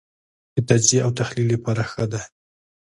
د تجزیې او تحلیل لپاره ښه دی.